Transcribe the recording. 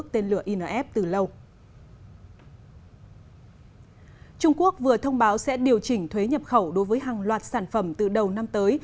trung quốc vừa thông báo sẽ điều chỉnh thuế nhập khẩu đối với hàng loạt sản phẩm từ đầu năm tới